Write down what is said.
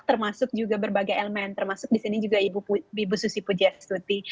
termasuk juga berbagai elemen termasuk disini juga ibu susi pujias tuti